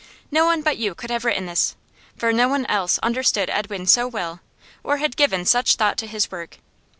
No one but you could have written this, for no one else understood Edwin so well, or had given such thought to his work.